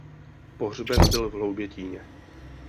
Pohřben byl v Hloubětíně.